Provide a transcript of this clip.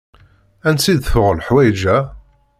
Ansi d-tuɣ leḥwayeǧ-a?